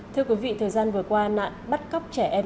thưa quý vị thời gian vừa qua nạn bắt cóc trẻ em